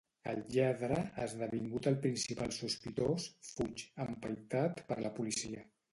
El lladre, esdevingut el principal sospitós, fuig, empaitat per la policia.